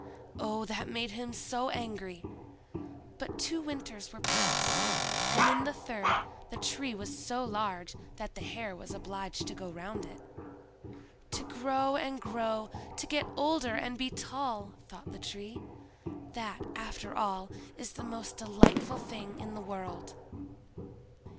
Oh, that made him so angry! But two winters were past, and in the third the Tree was so large that the hare was obliged to go round it. "To grow and grow, to get older and be tall," thought the Tree—"that, after all, is the most delightful thing in the world!"